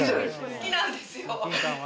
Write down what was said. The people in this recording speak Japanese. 好きなんですよ。